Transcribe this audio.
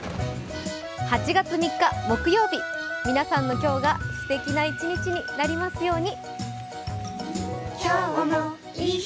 ８月３日木曜日、皆さんの今日がすてきな一日になりますように。